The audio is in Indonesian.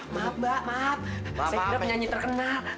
maaf mbak maaf saya kira penyanyi terkenal